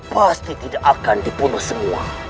pasti tidak akan dibunuh semua